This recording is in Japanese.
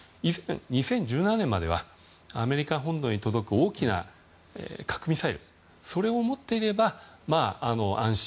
２０１７年まではアメリカ本土に届く大きな核ミサイルそれを持っていれば安心。